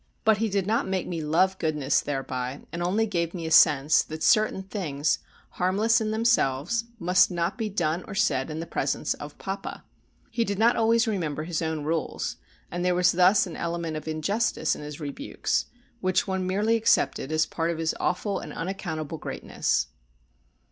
But he did not make me love goodness thereby, and only gave me a sense that certain things, harmless in themselves, must not be done or said in the presence of papa. He did not always remember his own rules, and there was thus an element of injustice in his rebukes, which one merely accepted as part of his awful and unaccountable greatness.